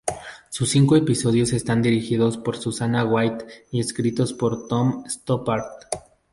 Sus cinco episodios están dirigidos por Susanna White y escritos por Tom Stoppard.